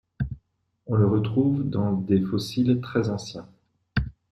On le retrouve dans des fossiles très anciens.